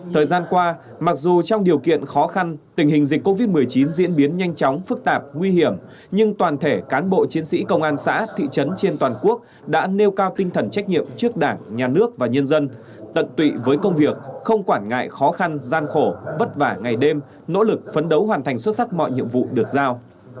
thời gian qua mặc dù trong điều kiện khó khăn tình hình dịch covid một mươi chín diễn biến nhanh chóng phức tạp nguy hiểm nhưng toàn thể cán bộ chiến sĩ công an xã thị trấn trên toàn quốc đã nêu cao tinh thần trách nhiệm trước đảng nhà nước và nhân dân tận tụy với công việc không quản ngại khó khăn gian khổ vất vả ngày đêm nỗ lực phấn đấu hoàn thành xuất sắc mọi nhiệm vụ được giao